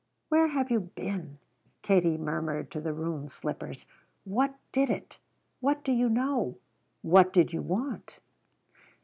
"Where have you been?" Katie murmured to the ruined slippers. "What did it? What do you know? What did you want?"